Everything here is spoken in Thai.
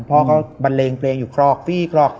พ่อก็บันเลงปลงอยู่ครอก